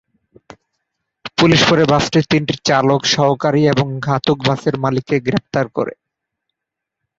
Police পরে bus তিনটির চালক, সহকারী এবং ঘাতক-বাসের মালিককে গ্রেপ্তার করে।